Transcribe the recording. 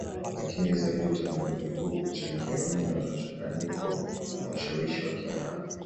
Lakini zaidi utamaduni huu ukichangiwa mno na mchanganyiko na ushawishi wa Kiarabu